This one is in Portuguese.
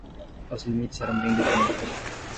Os limites eram bem definidos.